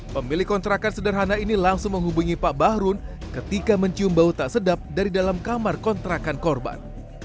pemilik kontrakan sederhana ini langsung menghubungi pak bahrun ketika mencium bau tak sedap dari dalam kamar kontrakan korban